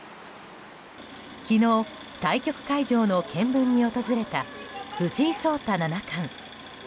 昨日、対局会場の見分に訪れた藤井聡太七段。